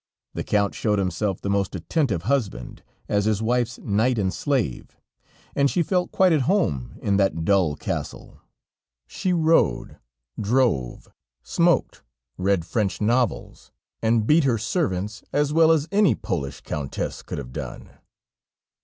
The Count showed himself the most attentive husband, as his wife's knight and slave, and she felt quite at home in that dull castle; she rode, drove, smoked, read French novels and beat her servants as well as any Polish Countess could have done.